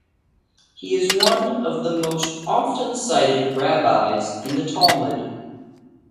He is one of the most often-cited rabbis in the Talmud.